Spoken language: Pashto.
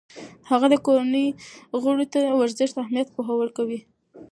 هغه د کورنۍ غړو ته د ورزش اهمیت پوهه ورکوي.